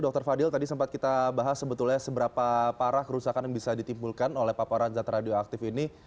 dr fadil tadi sempat kita bahas sebetulnya seberapa parah kerusakan yang bisa ditimbulkan oleh paparan zat radioaktif ini